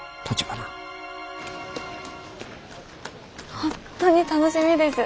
本当に楽しみです。